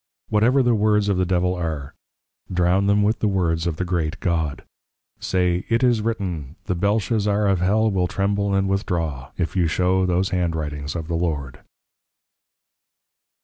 Whatever the Words of the Devil are, drown them with the words of the Great God. Say, It is Written The Belshazzar of Hell will Tremble and Withdraw, if you show these Hand Writings of the Lord.